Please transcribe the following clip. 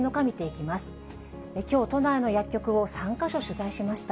きょう、都内の薬局を３か所取材しました。